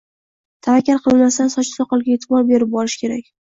Tavakkal qilmasdan soch-soqolga e’tibor berib borish kerak.